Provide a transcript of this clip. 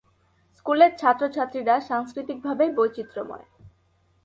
স্কুলের ছাত্র-ছাত্রীরা সাংস্কৃতিকভাবে বৈচিত্র্যময়।